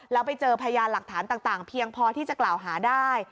แล้วไปเจอพยานหลักฐานต่างเพียงพอที่จะกล่าวหาได้